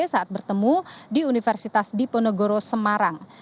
saat bertemu di universitas diponegoro semarang